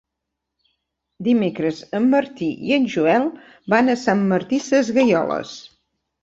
Dimecres en Martí i en Joel van a Sant Martí Sesgueioles.